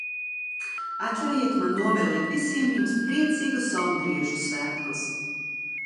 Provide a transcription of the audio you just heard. Atļaujiet man novēlēt visiem jums priecīgus Saulgriežu svētkus!